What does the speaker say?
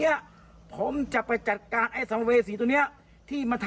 ไม่อยากให้แม่เป็นอะไรไปแล้วนอนร้องไห้แท่ทุกคืน